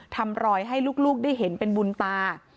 ทำรอยให้ลูกได้เห็นเป็นบุญตา